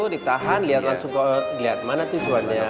ditahan lihat langsung dilihat mana tujuannya